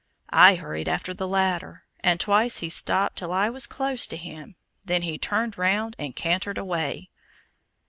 I hurried after the latter, and twice he stopped till I was close to him, then turned round and cantered away.